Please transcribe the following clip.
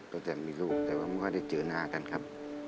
ตั้งแต่มีลูกแต่ว่าไม่ค่อยได้เจอหน้ากันครับ